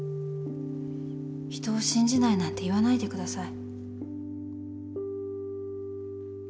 人を信じないなんて言わないでください。